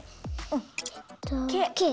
えっとｋ。